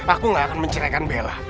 aku gak akan menceraikan bella